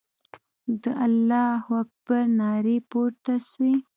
د الله اکبر نارې پورته سوې.